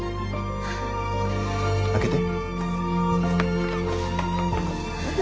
開けて。